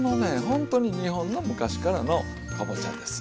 ほんとに日本の昔からのかぼちゃです。